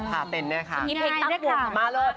ส่องินเทกท่าผัก